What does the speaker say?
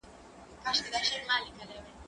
ليکلي پاڼي ترتيب کړه